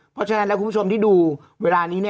เพราะฉะนั้นแล้วคุณผู้ชมที่ดูเวลานี้